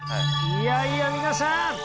いやいや皆さん